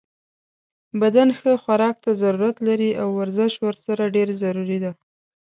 بدن ښه خوراک ته ضرورت لری او ورزش ورسره ډیر ضروری ده